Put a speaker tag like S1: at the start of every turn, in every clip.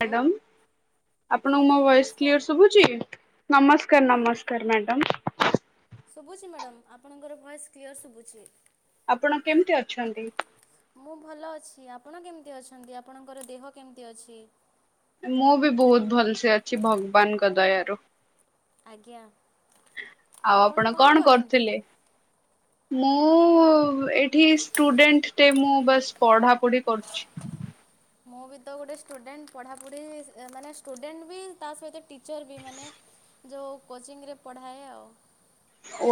S1: Hello
S2: madam,
S1: ହଁ
S2: ଆପଣଙ୍କୁ ମୋ
S1: ମ୍ୟାଡ଼ାମ୍
S2: ଭଏସ୍
S1: ନମସ୍କାର
S2: କ୍ଲିଅର୍ ସୁବୁଚ୍? ଚି଼ଫ୍, ନମସ୍କାର, ନମସ୍କାର ମ୍ୟାଡ଼ାମ।
S1: ଶୁଭୁଛି ମ୍ୟାଡ଼ାମ୍, ଆପଣଙ୍କର ଭଏସ୍ କ୍ଲିୟର୍ ଶୁଭୁଛି।
S2: ଆପଣ କେମିତି ଅଛନ୍ତି?
S1: ମୁଁ ଭଲ ଅଛି। ଆପଣ କେମତି ଅଛନ୍ତି? ଆପଣଙ୍କର ଦେହ କେମତି ଅଛି?
S2: ମୁଁ ବି ବହୁତ ଭଲସେ ଅଛି ଭଗବାନଙ୍କ ଦୟାରୁ।
S1: ଆଜ୍ଞା
S2: ଆଉ ଆପଣ କଣ କରୁଥିଲେ। ମୁଁ ଏଠି ଷ୍ଟୁଡେଣ୍ଟ୍ ମୁଁ ବାସ୍ ପଢାପଢି କରୁଛ।
S1: ମୁଁ ବି ତ ଗୋଟେ ଷ୍ଟୁଡେଣ୍ଟ୍, ପଢ଼ାପଢ଼ି ମାନେ ଷ୍ଟୁଡେଣ୍ଟ୍ ବି, ତା ସହିତ ଟିଚର୍ ବି ମାନେ। ଯେଉଁ କୋଚିଂରେ ପଢ଼ାଏ ଆଉ।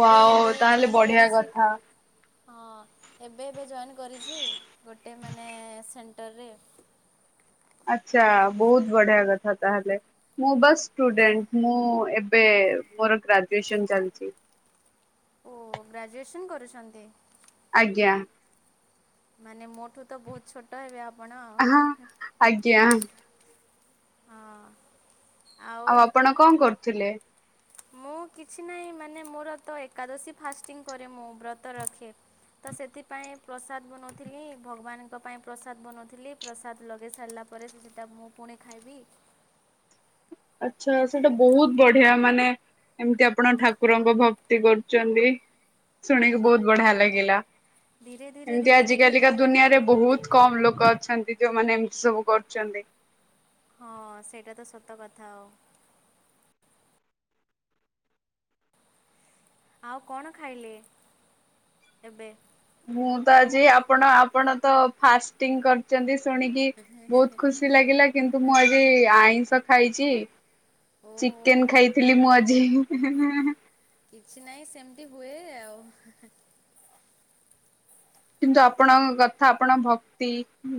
S1: ଏବେ ଏବେ
S2: ତାହେଲେ
S1: ଜଏନ୍
S2: ବଢିଆ
S1: କରିଛି।
S2: କଥା
S1: ହଁ ଏବେ ଏବେ ଜଏନ୍ କରିଛି ଗୋଟେ ମାନେ, ସେଣ୍ଟରରେ।
S2: ଆଚ୍ଛା, ବହୁତ ବଢିଆ କଥା। ତାହେଲେ ମୁଁ ବସ୍
S1: ଆଜ୍ଞା
S2: ଷ୍ଟୁଡେଣ୍ଟ୍ ମୁଁ ଏବେ ମୋର ଗ୍ରାଜୁଏସନ ଚାଲିଛି।
S1: ଓ, ଗ୍ରାଜୁଏସନ୍ କରିଛନ୍ତି?
S2: ଆଜ୍ଞା।
S1: ମାନେ, ମୋ ଠୁ ତ ବହୁତ ଛୋଟ ହେବେ ଆପଣ। ହଁ।
S2: ଆଜ୍ଞା ଆଉ, ଆପଣ କଣ କରୁଥିଲେ?
S1: ମୁଁ କିଛି ନାହିଁ, ମାନେ ମୋର ତ ଏକାଦଶୀ ଫାଷ୍ଟିଂ କରେ, ମୁଁ ବ୍ରତ ରଖେ। ତ ସେଥିପାଇଁ ପ୍ରସାଦ ବନେଉଥିଲି, ଭଗବାନଙ୍କ ପାଇଁ ପ୍ରସାଦ ବନେଉଥିଲି। ପ୍ରସାଦ ଲଗାଇ ସାରିଲା ପରେ, ସେଥିଟା ମୁଁ ପୁଣି ଖାଇବି।
S2: ଆଚ୍ଛା ଆଚ୍ଛା, ସେଇଟା ବହୁତ ବଢିଆ, ମାନେ। ଏମିତି ଆପଣ ଠାକୁରଙ୍କ ଭକ୍ତି କରୁଛନ୍ତି ଶୁଣିକି ବହୁତ୍
S1: ହଁ
S2: ବଢିଆ ଲାଗିଲା,
S1: ଧୀରେ ଧୀରେ
S2: ଏମିତି
S1: ଧୀରେ ଧୀରେ
S2: ଆଜିକାଲିକା
S1: ହେଇଗଲା ଆଉ
S2: ଦୁନିଆରେ ବହୁତ୍ କମ୍ ଲୋକ ଅଛନ୍ତି, ଯୋଉମାନେ ଏମ୍ତି ସବୁ କରୁଛନ୍ତି।
S1: ହଁ, ସେଇଟା ତ ସତ କଥା ଆଉ। ଆଉ, କଣ ଖାଇଲେ ଏବେ?
S2: ମୁଁ, ତ ଆଜି ଆପଣ ଆପଣ ତ ଫାଷ୍ଟିଂ କରିଛନ୍ତି ଶୁଣିକି ବହୁତ ଖୁସ୍। ଖୁସି ଲାଗିଲା କିନ୍ତୁ ମୁଁ ଆଜି ଆଇଁଷ ଖାଇଚି।
S1: ଓହୋ
S2: ଚିକେନ ଖାଇଥିଲି ମୁଁ ଆଜି।
S1: କିଛି ନାହିଁ ସେମ୍ତି ହୁଏ ଆଉ।
S2: କିନ୍ତୁ ଆପଣଙ୍କ କଥା ଆପଣଙ୍କ ଭକ୍ତି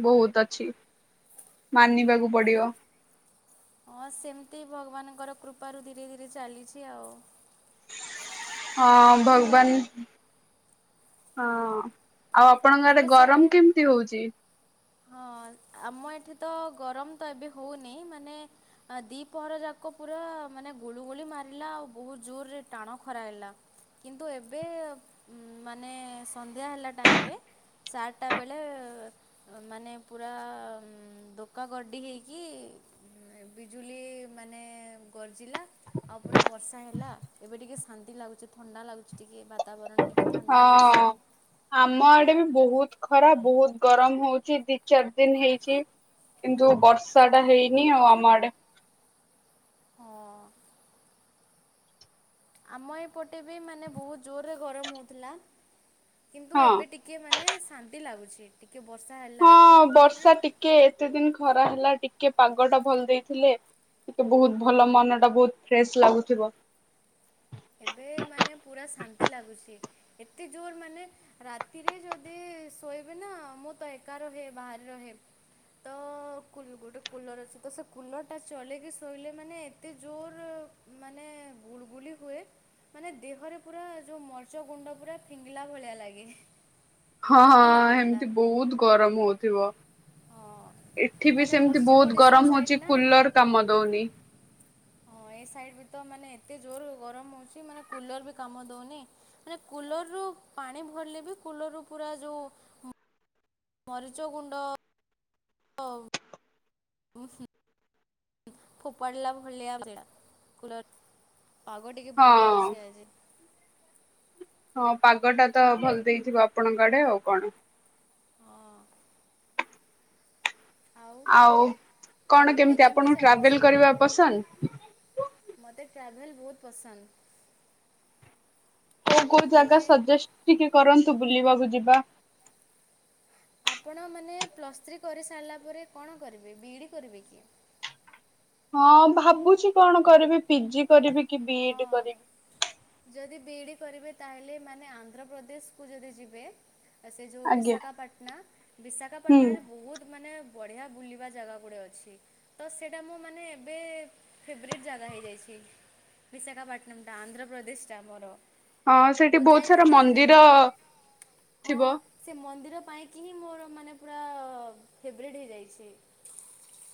S2: ବହୁତ୍ ଅଛି ମାନିବାକୁ ପଡିବ
S1: ହଁ ସେମିତି ଭଗବାନଙ୍କର କୃପାରୁ ଧୀରେ ଧୀରେ ଚାଲିଛି ଆଉ
S2: ହଁ ଭଗବାନ ହଁ ଆଉ ଆପଣଙ୍କ ଆଡେ ଗରମ କେମିତି ହଉଛି
S1: ହଁ ଆମ ଏଠି ତ ଗରମ ତ ଏବେ ହଉନି ମାନେ ଆ ଦି ପହର ଯାକ ପୁରା ମାନେ ଗୁଳିୁ ଗୁଳି ମାରିଲା ଆଉ ବହୁତ ଜୋରରେ ଟାଣ ଖରା ହେଲା କିନ୍ତୁ ଏବେ ମାନେ ସନ୍ଧ୍ୟା ହେଲା ଟାଇମରେ ଚାରିଟା ବେଳେ ମାନେ ପୁରା ଦୋକା ଗଡି ହେଇକି ବିଜୁଳି ମାନେ ଗର୍ଜିଲା ଆଉ ପୁରା ବର୍ଷା ହେଲା ଏବେ ଟିକେ ଶାନ୍ତି ଲାଗୁଚି ଥଣ୍ଡା ଲାଗୁଛି ଟିକେ ବାତାବରଣ ଟିକେ ଟିକେ ଥଣ୍ଡା
S2: ହଁ
S1: ହେଇଛି କି
S2: ଆମ ଆଡେ ବି ବହୁତ ଖରା ବହୁତ ଗରମ ହଉଛି ଦି ଚାରି ଦିନ ହେଇଛି କିନ୍ତୁ ବର୍ଷା ଟା ହେଇନି ଆଉ ଆମ ଆଡେ
S1: ହଁ ଆମ ଏପଟେ ବି ମାନେ ବହୁତ ଜୋରରେ ଗରମ ହଉଥିଲା କିନ୍ତୁ
S2: ହଁ।
S1: ଏବେ ଟିକେ ଟିକେ ମାନେ ଶାନ୍ତି ଲାଗୁଛି ଟିକେ ବର୍ଷା ହେଲା କି
S2: ହଁ
S1: ମାନେ
S2: ବର୍ଷା ଟିକେ ଏତେ ଦିନ ଖରା ହେଲା ଟିକେ ପାଗ ଟା ଭଲ ଦେଇଥିଲେ ଟିକେ ବହୁତ ଭଲ ମନ ଟା ବହୁତ ଫ୍ରେଶ ଲାଗୁଥିବ
S1: ଏବେ ମାନେ ପୁରା ଶାନ୍ତି ଲାଗୁଛି ଏତେ ଜୋର ମାନେ ରାତିରେ ଯଦି ଶୋଇବେ ନା ମୁଁ ତ ଏକା ରହେ ବାହାରେ ରହେ ତ କୁଲ୍ ଗୋଟେ କୁଲର୍ ଅଛି ତ ସେ କୁଲର ଟା ଚଲେଇକି ଶୋଇଲେ ମାନେ ଏତେ ଜୋର ମାନେ ଗୁଳୁଗୁଳି ହୁଏ ମାନେ ଦେହରେ ପୁରା ଯୋଉ ମର୍ଚ ଗୁଣ୍ଡ ପୁରା ଫିଙ୍ଗିଲା ଭଳିଆ ଲାଗେ
S2: ହଁ ହଁ
S1: ସେମିତି ଲାଗୁଥିଲା।
S2: ଏମିତି ବହୁତ ଗରମ ହଉଥିବ
S1: ହଁ
S2: ଏଠି ବି
S1: ମାନେ
S2: ସେମିତି
S1: ପଶ୍ଚିମ
S2: ବହୁତ
S1: ଓଡ଼ିଶା
S2: ଗରମ
S1: ସାଇଡ଼୍
S2: ହଉଛି
S1: ନା ଆମ
S2: କୁଲର କାମ ଦଉନି
S1: ହଁ ଏ ସାଇଡ ବି ତ ମାନେ ଏତେ ଜୋର ଗରମ ହଉଛି ମାନେ କୁଲର ବି କାମ ଦଉନି ମାନେ କୁଲରରୁ ପାଣି ଭରିଲେ ବି କୁଲର୍ ରୁ ପୁରା ଯେଉଁ ମରିଚ ଗୁଣ୍ଡ ହଉ ଓହୋ ଫୋପାଡ଼ିଲା ଭଳିଆ କୁଲର ପାଗ ଟିକେ ଭଲ
S2: ହଁ।
S1: ଅଛି ଆଜି
S2: ହଁ ପାଗ ଟା ତ ଭଲ ଦେଇଥିବ ଆପଣଙ୍କ ଆଡେ ଆଉ କଣ
S1: ହଁ
S2: ଆଉ କଣ
S1: ପଢ଼ାପଢ଼ି
S2: କେମିତି ଆପଣଙ୍କୁ ଟ୍ରାଭେଲ
S1: ଚାଲିଛି
S2: କରିବା ପସନ୍ଦ
S1: ମୋତେ ଟ୍ରାଭେଲ୍ ବହୁତ ପସନ୍ଦ
S2: କୋଉ କୋଉ
S1: ମାନେ
S2: ଜାଗା ସଜେଷ୍ଟ ଟିକେ କରନ୍ତୁ ବୁଲିବାକୁ ଯିବା
S1: ଆପଣ ମାନେ ପ୍ଲସ୍ ଥ୍ରୀ କରିସାରିଲା ପରେ କଣ କରିବେ ବିଇଡ଼ି କରିବେ କି
S2: ହଁ ଭାବୁଛି କଣ କରିବି ପିଜି କରିବି କି ବି
S1: ହଁ
S2: ଏଡ୍ କରିବି।
S1: ଯଦି ବିଇଡ଼ି କରିବେ ତାହେଲେ ଏମାନେ ଆନ୍ଧ୍ରପ୍ରଦେଶକୁ ଯଦି ଯିବେ ସେ ଯେଉଁ
S2: ଆଜ୍ଞା
S1: ବିଶାଖାପାଟଣା
S2: ହୁଁ
S1: ବିଶାଖାପାଟଣାରେ ବହୁତ ମାନେ ବଢ଼ିଆ ବୁଲିବା ଜାଗା ଗୁଡ଼େ ଅଛି ତ ସେଇଟା ମୁଁ ମାନେ ଏବେ ଫେବରେଟ୍ ଜାଗା ହେଇଯାଇଛି ବିଶାଖପଟଣ ଟା ଆନ୍ଧ୍ରପ୍ରଦେଶ ଟା ମୋର
S2: ହଁ ସେଠି
S1: ମୁଁ
S2: ବହୁତ ସାରା
S1: ଯାଇଥିଲି ସେ
S2: ମନ୍ଦିର
S1: ଜାଗାକୁ ହଁ।
S2: ଥିବ।
S1: ସେ ମନ୍ଦିର ପାଇଁକି ହିଁ ମୋର ମାନେ ପୁରା ଫେବରେଟ୍ ହେଇଯାଇଛି।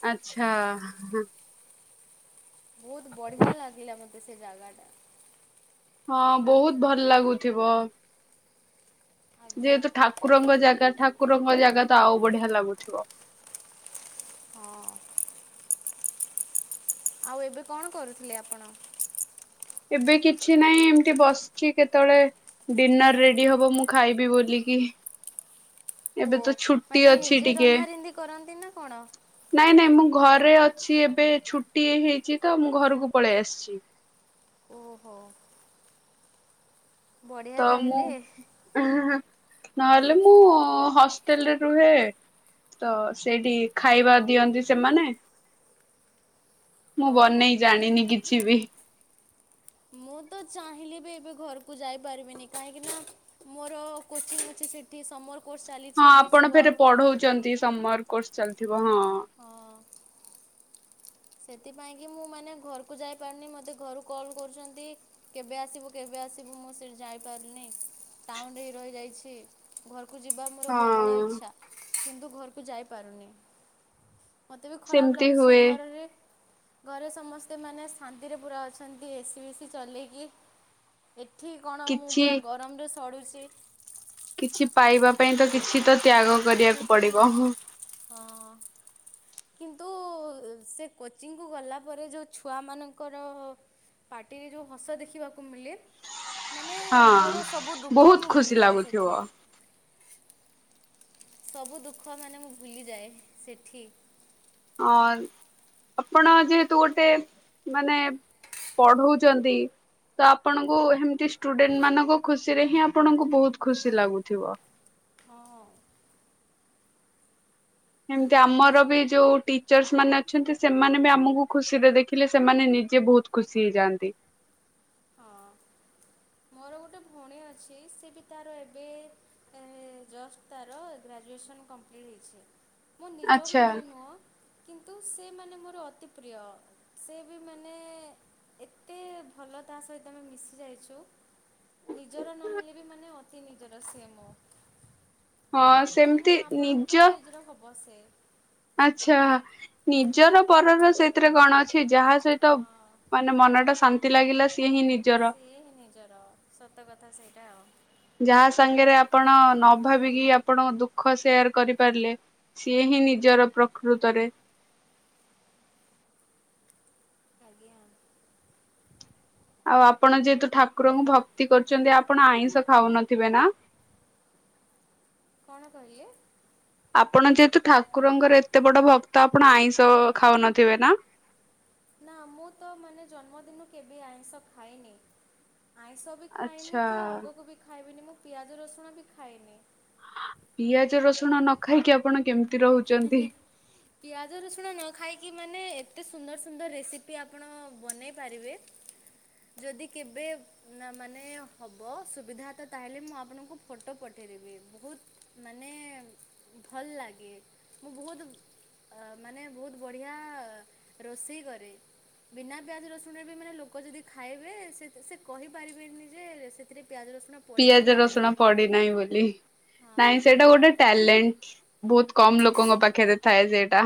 S2: ଆଛା ହୁଁ ହୁଁ।
S1: ବହୁତ ବଢିଆ ଲାଗିଲା ମତେ ସେ ଜାଗା ଟା।
S2: ହଁ ବହୁତ ଭଲ ଲାଗୁଥିବ।
S1: ଆଜ୍ଞା
S2: ଯେହେତୁ ଠାକୁରଙ୍କ ଜାଗା ଠାକୁରଙ୍କ ଜାଗା ତ ଆଉ ବଢିଆ ଲାଗୁଥିବ।
S1: ହଁ। ଆଉ ଏବେ କଣ କରୁଥିଲେ ଆପଣ?
S2: ଏବେ କିଛି ନାହିଁ ଏମତି ବସିଛି କେତେଳେ ଡିନର ରେଡି ହବ ମୁଁ ଖାଇବି ବୋଲିକି।
S1: ହୋ
S2: ଏବେ ତ ଛୁଟି
S1: ମାନେ
S2: ଅଛି
S1: ନିଜେ
S2: ଟିକେ।
S1: ରନ୍ଧା ରନ୍ଧି କରନ୍ତି ନା କଣ?
S2: ନାଇଁ ନାଇଁ ମୁଁ ଘରେ ଅଛି ଏବେ ଛୁଟି ହେଇଛି ତ ମୁଁ ଘରକୁ ପଳେଇ ଆସିଛି।
S1: ଓହୋ। ବଢ଼ିଆ
S2: ତ ମୁଁ
S1: ତାହେଲେ।
S2: ନହେଲେ ମୁଁ ହଁ ହୋଟେଲରେ ରୁହେ ତ ସେଇଠି ଖାଇବା ଦିଅନ୍ତି ସେମାନେ। ମୁଁ
S1: ଓହୋ
S2: ବନେଇ ଜାଣିନି କିଛି ବି।
S1: ମୁଁ ତ ଚାହିଁଲି ବି ଏବେ ଘରକୁ ଯାଇପାରିବିନି କାହିଁକି ନା ମୋର କୋଚିଂ ଅଛି ସେ ଏଠି ସମର୍ କୋର୍ସ ଚାଲିଛି
S2: ହଁ
S1: ଏବେ
S2: ଆପଣ
S1: ଛୁଆ
S2: ଫେରେ ପଢଉଛନ୍ତି ସମର କୋର୍ସ ଚାଲିଥିବ ହଁ।
S1: ହଁ। ସେଥିପାଇଁକି ମୁଁ ମାନେ ଘରକୁ ଯାଇପାରୁନି ମୋତେ ଘରୁ କଲ୍ କରୁଛନ୍ତି। କେବେ ଆସିବୁ କେବେ ଆସିବୁ ମୁଁ ସେଇଠି ଯାଇପାରିନି ଟାଉନ୍ ରେ ହିଁ ରହିଯାଇଛି। ଘରକୁ ଯିବା ମୋର ପ୍ରବଳ
S2: ହଁ
S1: ଇଚ୍ଛା କିନ୍ତୁ ଘରକୁ ଯାଇପାରୁନି। ମୋତେ ବି ଖରାପ
S2: ସେମିତି
S1: ଲାଗୁଛି
S2: ହୁଏ
S1: ଘରରେ। ଘରେ ସମସ୍ତେ ମାନେ ଶାନ୍ତିରେ ପୁରା ଅଛନ୍ତି ଏସିି ବିସି ଚଲେଇକି। ଏଠି କଣ ମୁଁ
S2: କିଛି
S1: ପୁରା ଗରମରେ ସଡ଼ୁଛି।
S2: କିଛି ପାଇବା ପାଇଁ ତ କିଛି ତ ତ୍ୟାଗ
S1: ହୁଁ
S2: କରିବାକୁ
S1: ହୁଁ ହୁଁ
S2: ପଡିବ ହଁ
S1: ହଁ। କିନ୍ତୁ ସେ କୋଚିଂକୁ ଗଲା ପରେ ଯେଉଁ ଛୁଆମାନଙ୍କର ପାଟିରେ ଯୋଉ ହସ ଦେଖିବାକୁ ମିଳେ ମାନେ ମୋର ସବୁ ଦୁଃଖ
S2: ବହୁତ
S1: ମୁଁ
S2: ଖୁସି
S1: ଭୁଲିଯାଏ
S2: ଲାଗୁଥିବ
S1: ସେଠି। ସବୁ ଦୁଃଖ ମାନେ ମୁଁ ଭୁଲିଯାଏ ସେଠି।
S2: ହଁ ଆପଣ ଯେହେତୁ ଗୋଟେ ମାନେ ପଢଉଛନ୍ତି। ତ ଆପଣଙ୍କୁ ହେମିତି ଷ୍ଟୁଡେଣ୍ଟ ମାନଙ୍କ ଖୁସିରେ ହିଁ ଆପଣଙ୍କୁ ବହୁତ ଖୁସି ଲାଗୁଥିବ।
S1: ହଁ।
S2: ଏମିତି ଆମର ବି ଯୋଉ ଟିଚର୍ସ ମାନେ ଅଛନ୍ତି ସେମାନେ ବି ଆମକୁ ଖୁସିରେ ଦେଖିଲେ ସେମାନେ ନିଜେ ବହୁତ ଖୁସି ହେଇ ଯଆନ୍ତି।
S1: ଅ ଭଉଣୀ ଅଛି ସେ ବି ତାର ଏବେ ଜଷ୍ଟ ତାର ଗ୍ରାଜୁଏସନ୍ କମ୍ପ୍ଲିଟ୍ ହେଇଛି। ମୋ ନିଜ
S2: ଆଚ୍ଛା
S1: ଭଉଣୀ ନୁହଁ। କିନ୍ତୁ ସେ ମାନେ ମୋର ଅତି ପ୍ରିୟ ସେ ବି ମାନେ ଏତେ ଭଲ ତା ସହିତ ଆମେ ମିଶି ଯାଇଛୁ। ନିଜର ନ ହେଲେ ବି ମାନେ ଅତି ନିଜର ସିଏ ମୋ
S2: ହଁ
S1: ମାନେ
S2: ସେମିତି
S1: ଆପଣଙ୍କ ଏଜ୍ ର ହବ ସେ।
S2: ଆଛା ନିଜର ପରର ସେ ଥିରେ କଣ ଅଛି ଯାହା ସହିତ
S1: ହଁ
S2: ମାନେ ମନ ଟା ଶାନ୍ତି ଲାଗିଲା ସିଏ ହିଁ ନିଜର।
S1: ସିଏ ହିଁ ନିଜର ସତ କଥା ସେଇଟା ଆଉ ‌।
S2: ଯାହା ସାଙ୍ଗରେ ଆପଣ ନ ଭାବିକି ଆପଣ ଦୁଃଖ ସେୟାର କରିପାରିଲେ ସିଏ ହିଁ ନିଜର ପ୍ରକୃତରେ।
S1: ଆଜ୍ଞା
S2: ଆଉ ଆପଣ ଯେହେତୁ ଠାକୁରଙ୍କୁ ଭକ୍ତି କରୁଚନ୍ତି ଆପଣ ଆଇଁଷ ଖାଉନଥିବେ ନା।
S1: କଣ କହିଲେ?
S2: ଆପଣ ଯେହେତୁ ଠାକୁରଙ୍କର ଏତେ ବଡ ଭକ୍ତ ଆପଣ ଆଇଁଷ ଖାଉନଥିବେ ନା?
S1: ନା ମୁଁ ତ ମାନେ ଜନ୍ମଦିନରୁ କେବେ ଆଇଷ ଖାଇଏନି। ଆଇଷ ବି ଖାଏନି
S2: ଆଚ୍ଛା
S1: କି ଆଗକୁ ବି ଖାଇବିନି ମୁଁ ପିଆଜ ରସୁଣ ବି ଖାଏନି।
S2: ପିଆଜ ରସୁଣ ନ ଖାଇକି ଆପଣ କେମିତି ରହୁ
S1: ହିଁ ହିଁ ପିଆଜ ରସୁଣ ନ ଖାଇକି ମାନେ ଏତେ ସୁନ୍ଦର ସୁନ୍ଦର ରେସିପି ଆପଣ ବନେଇ ପାରିବେ।
S2: [inaudible]
S1: ଯଦି କେବେ ନା ମାନେ ହବ ସୁବିଧା ତ ତାହେଲେ ମୁଁ ଆପଣଙ୍କୁ ଫଟୋ ପଠାଇଦବି। ବୋହୁତ ମାନେ ଭଲ ଲାଗେ। ମୁଁ ବୋହୁତ ମାନେ ବୋହୁତ ବଢ଼ିଆ ରୋଷେଇ କରେ। ବିନା ପିଆଜ ରସୁଣରେ ବି ମାନେ ଲୋକ ଯଦି ଖାଇବେ ସେତ ସେ କହିପାରିବେନି ଯେ ସେଥିରେ ପିଆଜ ରସୁଣ ପଡ଼ିଛି
S2: ପିଆଜ
S1: ନା ନାହିଁ
S2: ରସୁଣ ପଡିନାହିଁ ବୋଲି। ନାଇଁ
S1: ହଁ।
S2: ସେଇଟା ଗୋଟେ ଟ୍ୟାଲେଣ୍ଟ ବୋହୁତ କମ ଲୋକଙ୍କ ପାଖରେ ଥାଏ ସେଇଟା।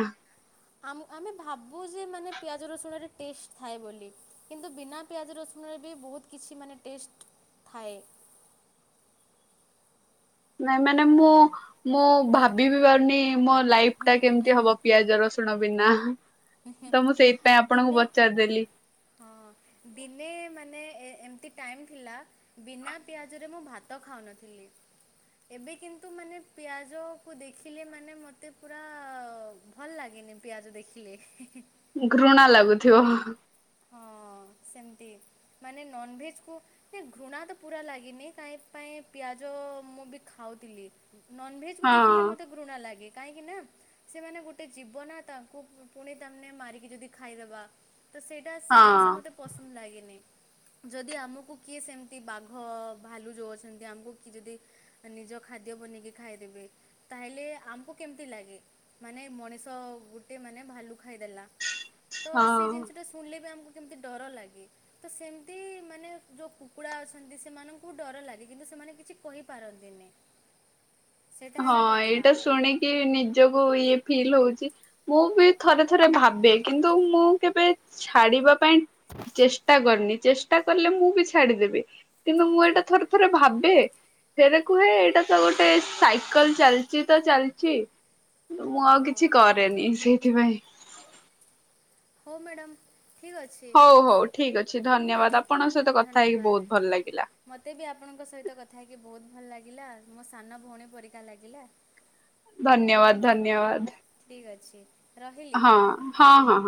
S1: ଆମ ଆମେ ଭାବୁ ଯେ ମାନେ ପିଆଜ ରସୁଣରେ ଟେଷ୍ଟ ଥାଏ ବୋଲି। କିନ୍ତୁ ବିନା ପିଆଜ ରସୁଣରେ ବି ବୋହୁତ କିଛି ମାନେ ଟେଷ୍ଟ ଥାଏ।
S2: ନାଇଁ ମାନେ ମୁଁ ମୁଁ ଭାବି ବି ପାରୁନି ମୋ ଲାଇଫ ଟା କେମିତି ହବ। ପିଆଜ ରସୁଣ ବିନା ତ ମୁଁ ସେଇପାଇ ଆପଣଙ୍କୁ
S1: ଦିନେ
S2: ପଚାରିଦେଲି।
S1: ହଁ ଦିନେ ମାନେ ଏ ଏମିତି ଟାଇମ୍ ଥିଲା। ବିନା ପିଆଜରେ ମୁଁ ଭାତ ଖାଉନଥିଲି। ଏବେ କିନ୍ତୁ ମାନେ ପିଆଜକୁ ଦେଖିଲେ ମାନେ ମୋତେ ପୁରା ଭଲ ଲାଗେନି ପିଆଜ ଦେଖିଲେ। ହିଁ ହିଁ
S2: ଘୃଣା ଲାଗୁଥିବ।
S1: ହଁ ସେମିତି ମାନେ ନନଭେଜ୍ କୁ ଇ ଘୃଣା ତ ପୁରା ଲାଗିନି କାହିଁ ପାଇଁ ପିଆଜ ମୁଁ ବି ଖାଉଥିଲି। ନନଭେଜ୍ କୁ
S2: ହଁ
S1: ଦେଖିଲେ ମତେ ଘୃଣା ଲାଗେ। କାହିଁକି ନା ସେମାନେ ଗୋଟେ ଜୀିବ ନା ତାଙ୍କୁ ପୁ ପୁଣି ତା ମାନେ ମାରିକି ଯଦି ଖାଇଦବା। ତ ସେ ଟା ସେ
S2: ହଁ।
S1: ଜିନିଷ ମତେ ପସନ୍ଦ ଲାଗେନି। ଯଦି ଆମକୁ କିଏ ସେମିତି ବାଘ ଭାଲୁ ଯୋଉ ଅଛନ୍ତି ଆମକୁ କିଏ ଯଦି ନିଜ ଖାଦ୍ୟ ବନେଇକି ଖାଇଦେବେ ତାହେଲେ ଆମକୁ କେମିତି ଲାଗେ। ମାନେ ମଣିଷ ଗୋଟେ ମାନେ ଭାଲୁ ଖାଇଦେଲା ତ ସେ
S2: ହଁ
S1: ଜିନିଷଟା ସେ ପୁଣିଲେ ବି ଆମକୁ କେମିତି ଡର ଲାଗେ। ତ ସେମିତି ମାନେ ଯୋଉ କୁକୁଡ଼ା ଅଛନ୍ତି ସେମାନଙ୍କୁ ଡର ଲାଗେ କିନ୍ତୁ ସେମାନେ କିଛି କହିପାରନ୍ତିନି। ସେଇଟା ହେଲା
S2: ହଁ
S1: କଥା
S2: ଏଇଟା ଶୁଣିକି ନିଜକୁ ଇଏ ଫିଲ୍ ହଉଛି। ମୁଁ ବି ଥରେ ଥରେ ଭାବେ କିନ୍ତୁ, ମୁଁ କେବେ ଛାଡିବା ପାଇଁ ଚେଷ୍ଟା କରନି। ସେ କହିଲେ ମୁଁ ବି ଛାଡିଦେବି କିନ୍ତୁ ମୁଁ ଏଇଟା ଥରେ ଥରେ ଭାବେ ସେଇଟା କୁହେ ଏଇଟା ତ ଗୋଟେ ଆ କହିଲି ଚାଲିଛି ତ ଚାଲିଛି ମୁଁ ଆଉ କିଛି
S1: ହଁ
S2: କରେନି ସେଇଥିପାଇଁ।
S1: ହଉ ମ୍ୟାଡ଼ମ୍।
S2: ହଉ ହଉ ଠିକ ଅଛି, ଧନ୍ୟବାଦ!
S1: ଆଜ୍ଞା
S2: ଆପଣଙ୍କ ସହିତ କଥା ହେଇକି
S1: ଧନ୍ୟବାଦ।
S2: ବହୁତ ଭଲ ଲାଗିଲା।
S1: ମୋତେ ବି ଆପଣଙ୍କ ସହିତ କଥା ହେଇକି ବହୁତ ଭଲ ଲାଗିଲା ମୋ ସାନ ଭଉଣୀ ପରିକା ଲାଗିଲା।
S2: ଧନ୍ୟବାଦ ଧନ୍ୟବାଦ!
S1: ଠିକ ଅଛି। ରହିଲି।
S2: ହଁ ହଁ ହଁ।